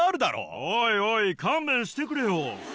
おいおい勘弁してくれよ。